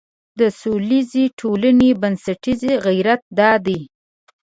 د سولیزې ټولنې بنسټیز غیرت دا دی.